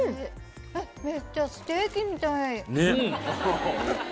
めっちゃステーキみたい。